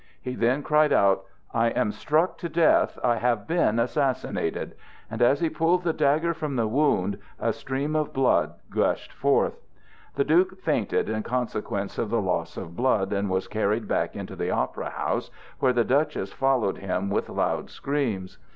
He then cried out: "I am struck to death, I have been assassinated!" and as he pulled the dagger from the wound, a stream of blood gushed forth. The Duke fainted in consequence of the loss of blood, and was carried back into the Opera House, where the Duchess followed him with loud screams.